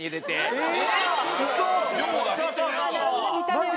えっ！